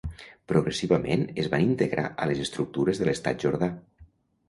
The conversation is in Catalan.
Progressivament es van integrar a les estructures de l'estat jordà.